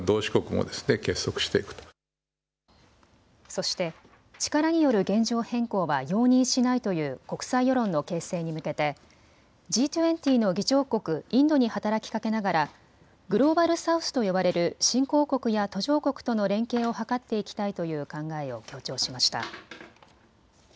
そして力による現状変更は容認しないという国際世論の形成に向けてＧ２０の議長国インドに働きかけながらグローバル・サウスと呼ばれる新興国や途上国との連携を図っていきたいという考えを強調しました。